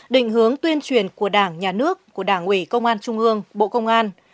định hướng tuyên truyền của đảng nhà nước của đảng ủy công an trung ương bộ công an